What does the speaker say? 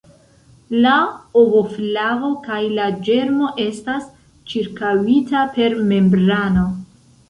La ovoflavo kaj la ĝermo estas ĉirkaŭita per membrano.